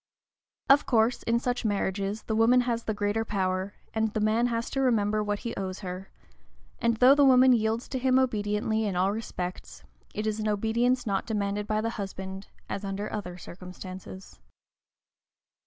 Of course, in such marriages, the woman has the greater power, and the man has to remember what he owes her; and though the woman yields to him obediently in all respects, it is an obedience not demanded by the husband, as under other circumstances.